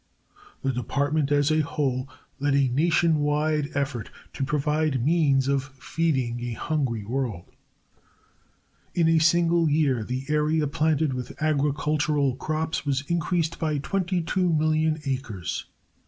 The Department as a whole led a nation wide effort to provide means of feeding a hungry world. In a single year the area planted with agricultural crops was increased by 22,000,000 acres.